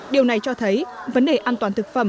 điều này cho thấy vấn đề an toàn thực phẩm